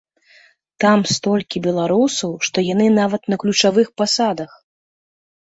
Там столькі беларусаў, што яны нават на ключавых пасадах!